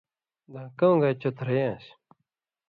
دھان٘کؤں گائ چھترئ آن٘سیۡ